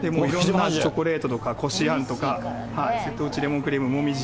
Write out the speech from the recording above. チョコレートとか、こしあんとか、瀬戸内レモンクリーム、もみじ。